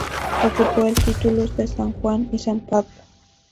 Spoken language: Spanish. Ocupó el titulus de San Juan y San Pablo.